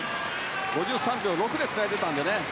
５３秒６でつないでいったので。